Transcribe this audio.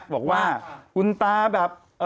บอกว่าคุณตาแบบ